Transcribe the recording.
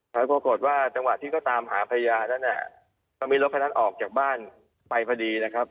ปรากฏว่าจังหวะที่เขาตามหาพญานั้นก็มีรถพนัทออกจากบ้านไปพอดีนะครับ